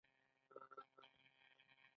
د وردګو باغونه مڼې لري.